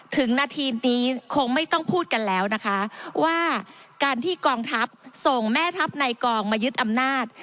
ถึงนาทีนี้คงไม่ต้องพูดกันแล้วนะคะว่าการที่กองทัพส่งแม่ทัพในกองมายึดอำนาจ